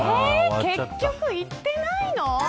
結局、行ってないの。